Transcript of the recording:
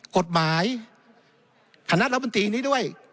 กฎหมายคณะรับบนตรีนี้ด้วย